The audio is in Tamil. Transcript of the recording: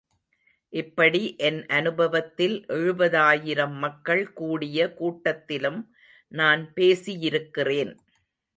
இப்படி என் அனுபவத்தில் எழுபதாயிரம் மக்கள் கூடிய கூட்டத்திலும் நான் பேசியிருக்கிறேன்.